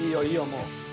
もう。